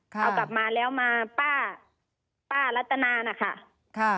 เอากลับมาแล้วมาป้าป้ารัตนานะคะค่ะ